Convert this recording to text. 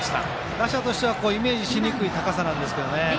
打者としてはイメージしにくい高さなんですけどね。